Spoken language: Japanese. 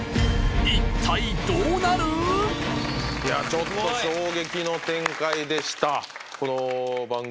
ちょっと衝撃の展開でした。